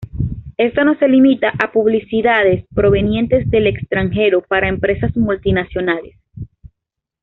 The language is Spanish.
Esto no se limita a publicidades provenientes del extranjero para empresas multinacionales.